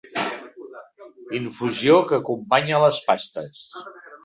Infusió que acompanya les pastes.